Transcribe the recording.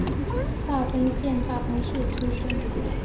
大分县大分市出身。